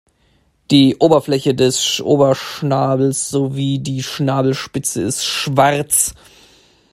Die Oberfläche des Oberschnabels sowie die Schnabelspitze ist schwarz.